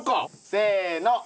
せの！